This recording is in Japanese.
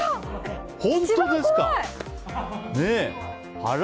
本当ですか？